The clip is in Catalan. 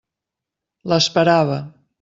L'esperava.